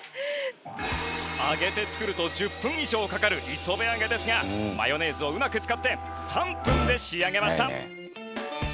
揚げて作ると１０分以上かかる磯辺揚げですがマヨネーズをうまく使って３分で仕上げました。